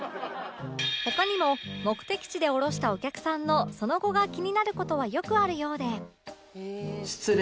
他にも目的地で降ろしたお客さんのその後が気になる事はよくあるようで